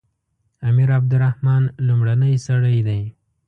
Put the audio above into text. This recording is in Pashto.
امیر عبدالرحمن لومړنی سړی دی.